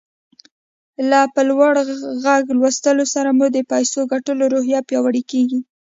له په لوړ غږ لوستلو سره مو د پيسو ګټلو روحيه پياوړې کېږي.